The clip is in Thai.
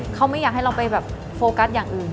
เขาไม่อยากให้เราไปแบบโฟกัสอย่างอื่น